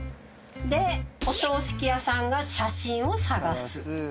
でお葬式屋さんが写真を探す。